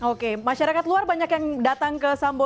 oke masyarakat luar banyak yang datang ke sambo